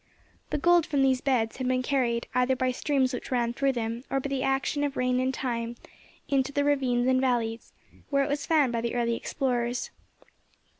The gold from these beds had been carried, either by streams which ran through them, or by the action of rain and time, into the ravines and valleys, where it was found by the early explorers.